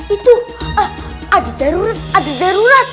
itu ah ada darurat ada darurat